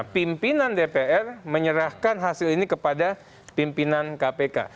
pimpinan dpr menyerahkan hasil ini kepada pimpinan kpk